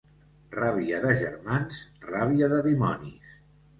Ràbia de germans, ràbia de dimonis.